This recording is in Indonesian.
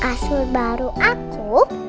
kasur baru aku